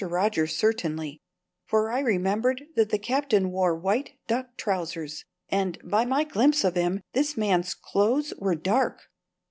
Rogers certainly; for I remembered that the Captain wore white duck trousers, and, by my glimpse of him, this man's clothes were dark.